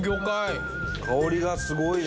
伊達：香りがすごいね。